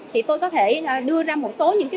thì tôi có thể đưa ra một số những ví dụ